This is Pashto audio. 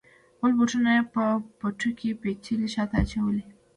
خپل بوټونه یې په پټو کې پیچلي شاته اچولي وه.